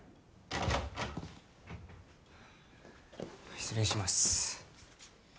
失礼します。